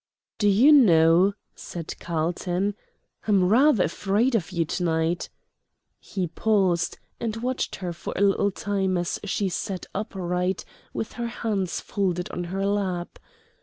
"Do you know," said Carlton, "I'm rather afraid of you to night!" He paused, and watched her for a little time as she sat upright, with her hands folded on her lap.